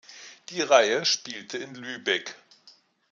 Die Reihe spielte in Lübeck.